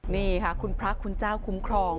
นี่ค่ะคุณพระคุณเจ้าคุ้มครอง